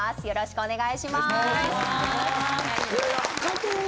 よろしくお願いします。